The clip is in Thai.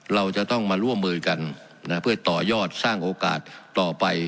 เราจะต้องมาร่วมมือกันเพื่อต่อยอดสร้างโอกาสต่อไป